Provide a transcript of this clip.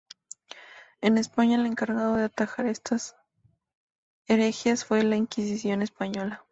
En España el encargado de atajar estas herejías fue la Inquisición española.